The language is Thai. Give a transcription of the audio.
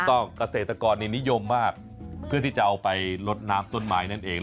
เกษตรกรนิยมมากเพื่อที่จะเอาไปลดน้ำต้นไม้นั่นเอง